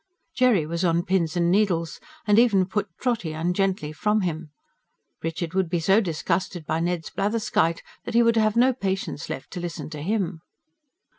Jerry was on pins and needles, and even put Trotty ungently from him: Richard would be so disgusted by Ned's blatherskite that he would have no patience left to listen to him.